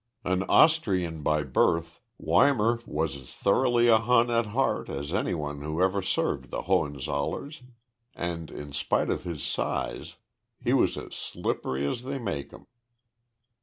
An Austrian by birth, Weimar was as thoroughly a Hun at heart as anyone who ever served the Hohenzollerns and, in spite of his size, he was as slippery as they make 'em.